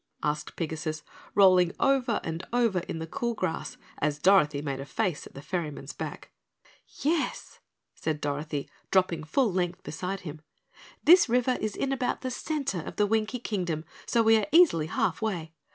asked Pigasus, rolling over and over in the cool grass as Dorothy made a face at the ferryman's back. "Yes," said Dorothy, dropping full length beside him. "This river is in about the center of the Winkie Kingdom, so we are easily half way.